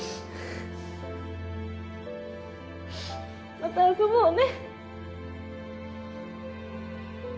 また遊ぼうね。